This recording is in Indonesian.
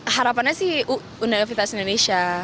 harapannya sih undang undang vitas indonesia